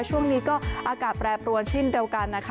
ช่วงนี้ก็อากาศแปรปรวนเช่นเดียวกันนะคะ